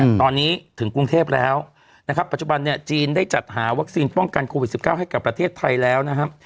อืมตอนนี้ถึงกรุงเทพแล้วนะครับปัจจุบันเนี่ยจีนได้จัดหาวัคซีนป้องกันโควิดสิบเก้าให้กับประเทศไทยแล้วนะครับ